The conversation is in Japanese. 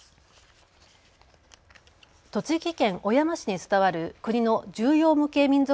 栃木県小山市に伝わる国の重要無形民俗